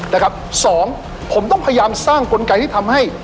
นะครับสองผมต้องพยายามสร้างกลไกที่ทำให้